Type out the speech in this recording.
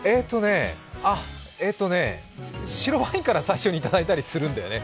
えーとね白ワインから最初にいただいたりするんだよね。